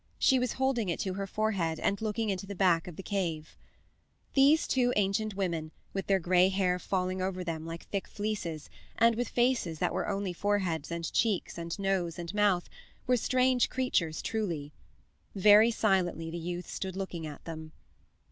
She was holding it to her forehead and looking into the back of the cave. These two ancient women, with their gray hair falling over them like thick fleeces, and with faces that were only forehead and cheeks and nose and mouth, were strange creatures truly. Very silently the youth stood looking at them.